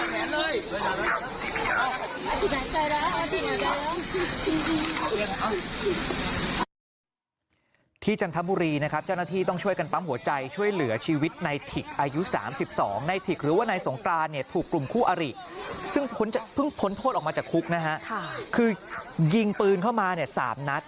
เติบเลยที่จันทมุรีนะครับจ้านาธิต้องช่วยกันปั๊มหัวใจช่วยเหลือชีวิตในถิกอายุสามสิบสองในถิกหรือว่าในสงตราเนี้ยถูกกลุ่มคู่อริกซึ่งผลจะเพิ่งพ้นทดออกมาจากคุกนะฮะค่ะคือยิงปืนเข้ามาเนี้ยสามนัด